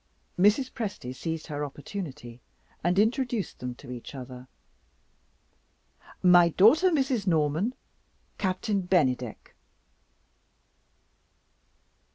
Mrs. Presty seized her opportunity, and introduced them to each other. "My daughter Mrs. Norman Captain Bennydeck."